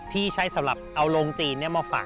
ที่ใช้สำหรับเอาโรงจีนมาฝัง